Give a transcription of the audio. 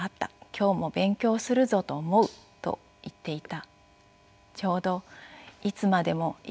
今日も勉強するぞと思う」と言っていた。